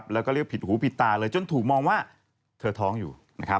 แล้วก็เรียกผิดหูผิดตาเลยจนถูกมองว่าเธอท้องอยู่